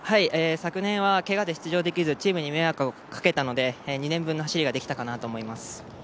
昨年はけがで出場できずチームに迷惑をかけたので２年分の走りができたかなと思います。